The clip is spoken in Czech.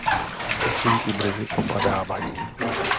Tyčinky brzy opadávají.